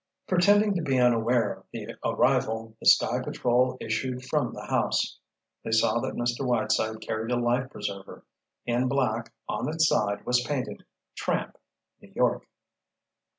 Pretending to be unaware of the arrival, the Sky Patrol issued from the house. They saw that Mr. Whiteside carried a life preserver. In black on its side was painted "Tramp, New York."